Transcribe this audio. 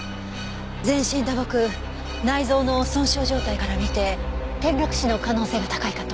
全身打撲内臓の損傷状態から見て転落死の可能性が高いかと。